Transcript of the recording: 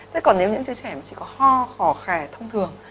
thế còn nếu những trẻ trẻ mà chỉ có ho khò khè thông thường